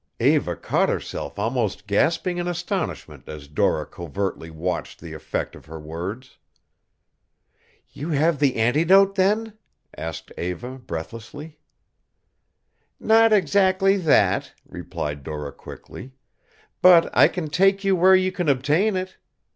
Eva caught herself almost gasping in astonishment as Dora covertly watched the effect of her words. "You have the antidote, then?" asked Eva, breathlessly. "Not exactly that," replied Dora, quickly. "But I can take you where you can obtain it.